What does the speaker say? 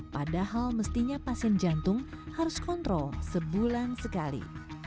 padahal mestinya pasien jantung harus kontrol sebulan sekali